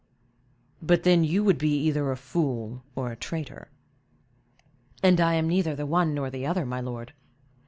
"But then you would be either a fool or a traitor." "And I am neither the one nor the other, my lord.